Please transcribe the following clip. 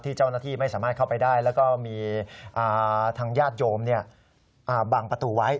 เจ้าหน้าที่ไม่สามารถเข้าไปได้แล้วก็มีทางญาติโยมบังประตูไว้